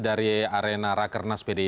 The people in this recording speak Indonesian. dari arena rakernas pdi